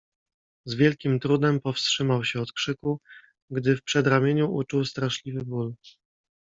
"Z wielkim trudem powstrzymał się od krzyku, gdy w przedramieniu uczuł straszliwy ból."